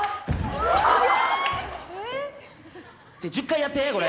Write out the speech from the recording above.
１０回やってこれ。